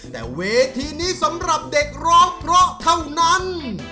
แต่เวทีนี้สำหรับเด็กร้องเพราะเท่านั้น